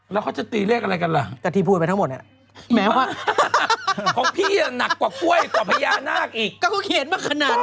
แล้วเขาจะตีเลขอะไรกันล่ะ